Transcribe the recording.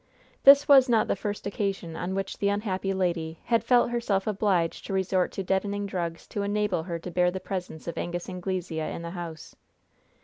This was not the first occasion on which the unhappy lady had felt herself obliged to resort to deadening drugs to enable her to bear the presence of Angus Anglesea in the house.